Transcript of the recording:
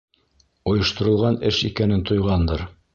Ойошторолған эш икәнен тойғандыр.